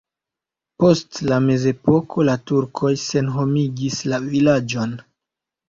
Post la mezepoko la turkoj senhomigis la vilaĝon.